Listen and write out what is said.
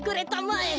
え！